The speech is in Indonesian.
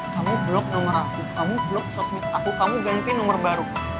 kamu blok nomor aku kamu blok sosmed aku kamu ganti nomor baru